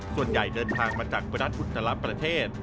ส่วนใหญ่เดินทางมาจากประดัษอุตลาภาพประเทศ